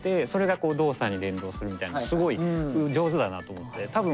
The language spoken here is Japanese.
すごい上手だなと思って。